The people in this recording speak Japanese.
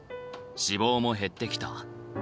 脂肪も減ってきた。